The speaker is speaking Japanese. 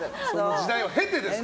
時代を経てですね。